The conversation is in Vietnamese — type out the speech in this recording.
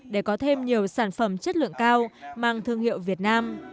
để có thêm nhiều sản phẩm chất lượng cao mang thương hiệu việt nam